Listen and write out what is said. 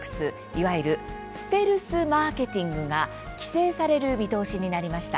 いわゆるステルスマーケティングが規制される見通しになりました。